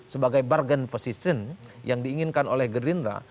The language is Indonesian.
sebagai bargain position yang diinginkan oleh gerindra